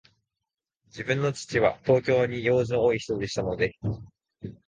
自分の父は、東京に用事の多いひとでしたので、